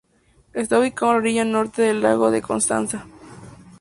Está ubicado en la orilla norte del lago de Constanza.